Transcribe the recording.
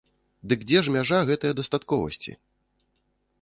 Дык дзе ж мяжа гэтае дастатковасці?